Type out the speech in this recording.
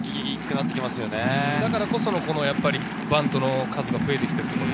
だからこそのバントの数が増えて来ている。